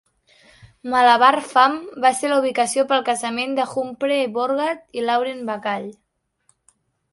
Malabar Farm va ser la ubicació per al casament de Humphrey Bogart i Lauren Bacall.